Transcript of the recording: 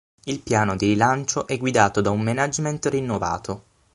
Il piano di rilancio è guidato da un management rinnovato.